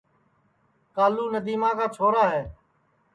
کالو ندیما کا چھورا ہے